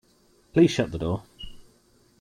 Please shut the door.